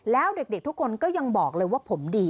แล้วเด็กทุกคนก็ยังบอกเลยว่าผมดี